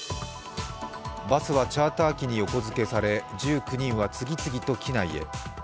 バスはチャーター機に横付けされ、１９人は次々と機内へ。